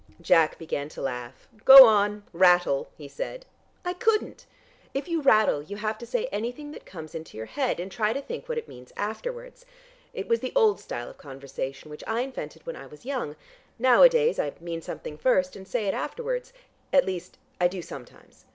Jack began to laugh. "Go on; rattle!" he said. "I couldn't. If you rattle you have to say anything that comes into your head, and try to think what it means afterwards. It was the old style of conversation which I invented when I was young. Nowadays I mean something first and say it afterwards. At least I do sometimes.